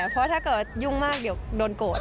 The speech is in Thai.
เพราะถ้าเกิดยุ่งมากเดี๋ยวโดนโกรธ